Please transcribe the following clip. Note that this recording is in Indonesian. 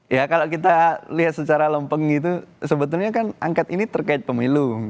ya kalau kita lihat secara lompeng itu sebetulnya kan angket ini terkait pemilu